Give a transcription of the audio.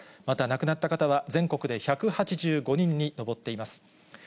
また亡くなった方は、全国で１８５人に上っています。